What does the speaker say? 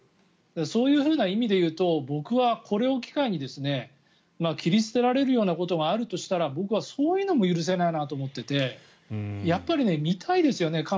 そういう意味で言うと僕はこれを機会に切り捨てられるようなことがあるとしたら僕はそういうのも許せないなと思っていてやっぱり見たいですよね。